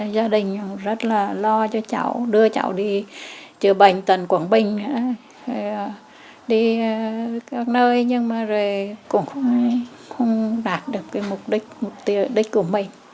gia đình cũng rất là lo cho cháu đưa cháu đi chữa bệnh tận quảng bình đi các nơi nhưng mà rồi cũng không đạt được cái mục đích của mình